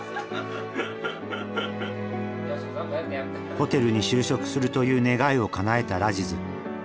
ホテルに就職するという願いをかなえたラジズ。